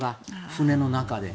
船の中で。